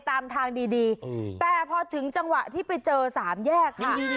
ตามทางดีดีแต่พอถึงจังหวะที่ไปเจอสามแยกค่ะ